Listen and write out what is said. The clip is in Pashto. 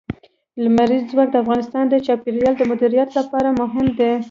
لمریز ځواک د افغانستان د چاپیریال د مدیریت لپاره مهم دي.